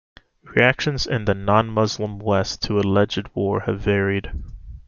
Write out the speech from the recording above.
Reactions in the non-Muslim West to the alleged war have varied.